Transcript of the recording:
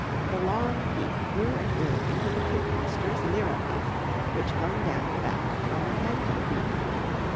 The long peak grew and grew into the preposterous liripipe which hung down the back from the head to the feet.